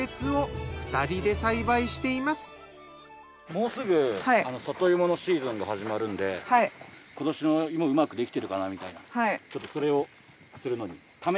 もうすぐ里芋のシーズンが始まるんで今年の芋うまく出来てるかなみたいなそれをするのに。